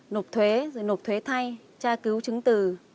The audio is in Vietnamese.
nộp thuế rồi nộp thuế thay tra cứu chứng từ